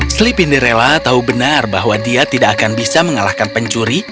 slipinderella tahu benar bahwa dia tidak akan bisa mengalahkan pencuri